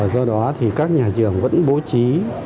do đó thì các nhà trường vẫn bố trí